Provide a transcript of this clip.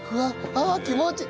ああ気持ちいい！